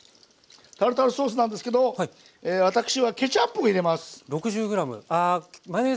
タルタルソースなんですけど私はケチャップを入れます。